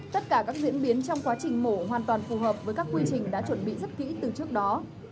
tất cả các diễn biến trong quá trình mổ hoàn toàn phù hợp với các quy trình đã chuẩn bị rất kỹ từ trước đó